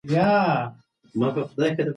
که نجونې بریښنا پوهې شي نو رڼا به نه ځي.